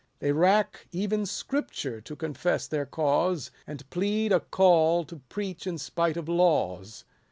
They rack even Scripture to confess their cause, And plead a call to preach in spite of laws.